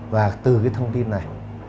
và từ cái thông tin này